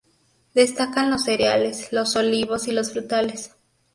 Destacan los cereales, los olivos y los frutales.